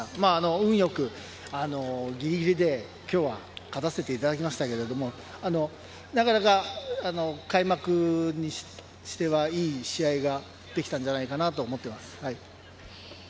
運良くぎりぎりで今日は勝たせていただきましたが、なかなか開幕にしては、いい試合ができたんじゃないかなと思っています。